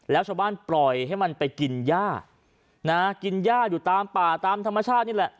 แล้วชาวบ้านปล่อยให้มันไปกินย่านะกินย่าอยู่ตามป่าตามธรรมชาตินี่แหละ